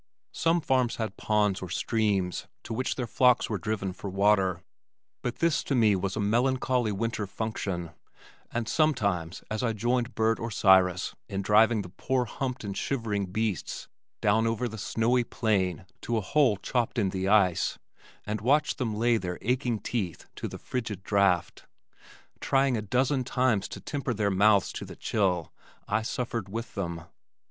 Some farms had ponds or streams to which their flocks were driven for water but this to me was a melancholy winter function, and sometimes as I joined Burt or Cyrus in driving the poor humped and shivering beasts down over the snowy plain to a hole chopped in the ice, and watched them lay their aching teeth to the frigid draught, trying a dozen times to temper their mouths to the chill I suffered with them.